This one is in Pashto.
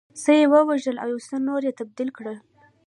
څه یې ووژل او یو شمېر نور یې تبعید کړل